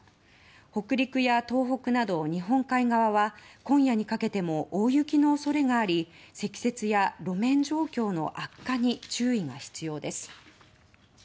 北陸や東北など日本海側は今夜にかけても大雪の恐れがあり積雪や路面状況の悪化に注意が必要です。